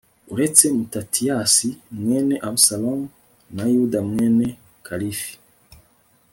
uretse matatiyasi mwene abusalomu, na yuda mwene kalifi